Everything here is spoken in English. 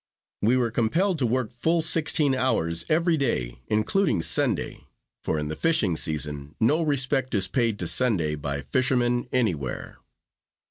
We were compelled to work full sixteen hours every day, including Sunday; for in the fishing season no respect is paid to Sunday by fishermen anywhere.